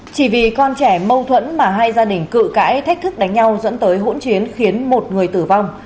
chỉ vì con trẻ mâu thuẫn mà hai gia đình cự cãi thách thức đánh nhau dẫn tới hỗn chiến khiến một người tử vong